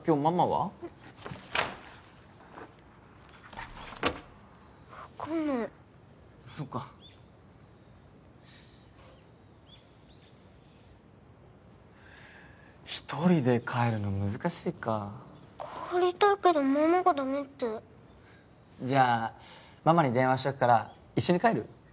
わかんないそっか１人で帰るの難しいか帰りたいけどママがダメってじゃあママに電話しとくから一緒に帰る？